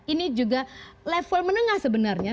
ini juga level menengah sebenarnya